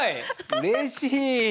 うれしい。